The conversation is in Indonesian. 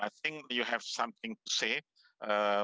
dan jika anda melihat komponennya